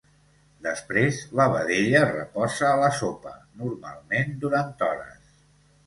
Després la vedella reposa a la sopa, normalment durant hores.